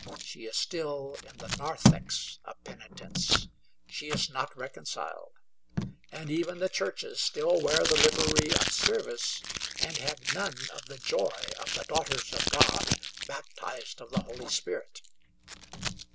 She is still in the narthex of penitence; she is not reconciled, and even the churches still wear the livery of service, and have none of the joy of the daughters of God, baptized of the Holy Spirit.